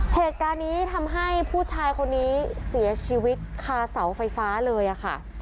เหตุการณ์นี้ทำให้ผู้ชายคนนี้เสียชีวิตคาเสาไฟฟ้าเลยค่ะ